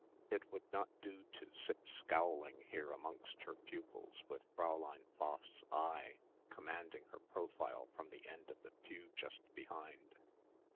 It would not do to sit scowling here amongst her pupils with Fräulein Pfaff's eye commanding her profile from the end of the pew just behind....